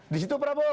di situ prabowo